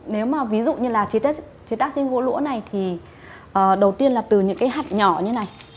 nếu mà ví dụ như là chế tác trên gỗ lũa này thì đầu tiên là từ những cái hạt nhỏ như này